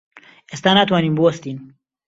ئێستا ناتوانین بوەستین.